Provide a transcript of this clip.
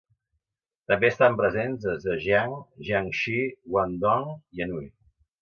També estan presents a Zhejiang, Jiangxi, Guangdong i Anhui.